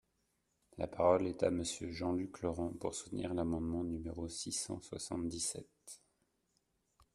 La parole est à Monsieur Jean-Luc Laurent, pour soutenir l’amendement numéro six cent soixante-dix-sept.